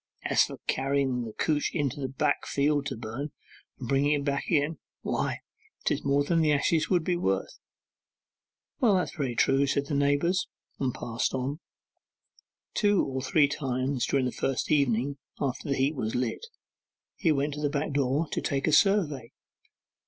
As to carrying the couch into the back field to burn, and bringing it back again, why, 'tis more than the ashes would be worth.' 'Well, that's very true,' said the neighbours, and passed on. Two or three times during the first evening after the heap was lit, he went to the back door to take a survey.